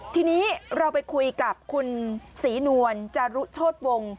ทีนี้เราไปคุยกับคุณศรีนวลจารุโชธวงศ์